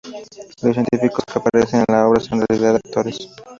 Los científicos que aparecen en la obra son en realidad actores.